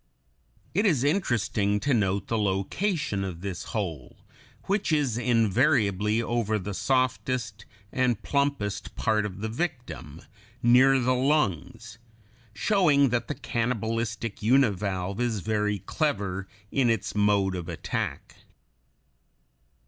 It is interesting to note the location of this hole, which is invariably over the softest and plumpest part of the victim, near the lungs, showing that the cannibalistic univalve is very clever in its mode of attack.